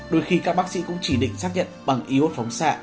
đôi khi các bác sĩ cũng chỉ định xác nhận bằng iốt phóng xạ